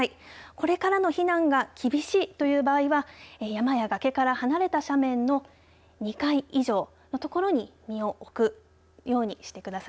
これからの避難が厳しいという場合は山やがけから離れた斜面の２階以上の所に身を置くようにしてください。